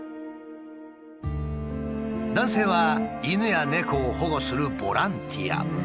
男性は犬や猫を保護するボランティア。